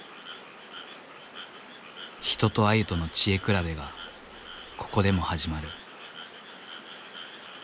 人とアユとの知恵比べがここでも始まる。